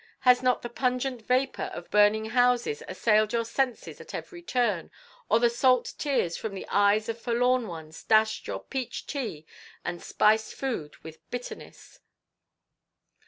Has not the pungent vapour of burning houses assailed your senses at every turn, or the salt tears from the eyes of forlorn ones dashed your peach tea and spiced foods with bitterness?"